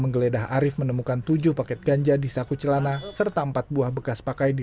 menggeledah arief menemukan tujuh paket ganja di saku celana serta empat buah bekas pakai di